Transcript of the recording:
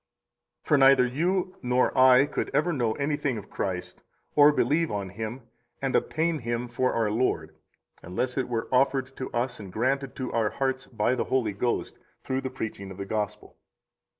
38 For neither you nor I could ever know anything of Christ, or believe on Him, and obtain Him for our Lord, unless it were offered to us and granted to our hearts by the Holy Ghost through the preaching of the Gospel.